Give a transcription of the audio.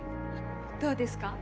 どうですか？